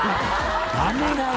ダメだよ